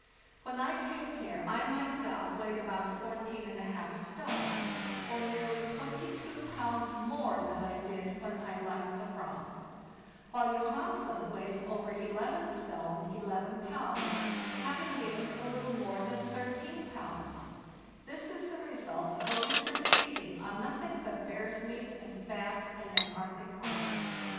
When I came here I myself weighed about 144 stone, or nearly 22 pounds more than I did when I left the Ava; while Johansen weighs over 11 stone 11 pounds, having gained a little more than 13 pounds. This is the result of a winter's feeding on nothing but bear's meat and fat in an Arctic climate.